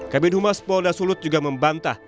kabin humas pol dasulut juga membantah